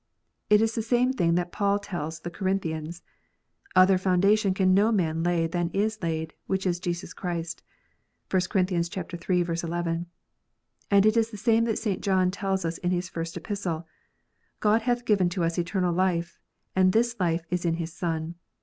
It is the same thing that Paul tells the Corin thians, " Other foundation can no man lay than that is laid, which is Jesus Christ." (1 Cor. iii. 11.) And it is the same that St. John tells us in his first Epistle, " God hath given to us eternal life, and this life is in His Son.